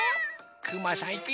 くまさんいくよ。